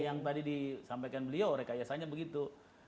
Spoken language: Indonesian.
yang tadi disampaikan beliau rekayasanya begitu